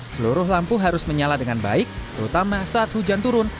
seluruh lampu harus menyala dengan baik terutama saat hujan turun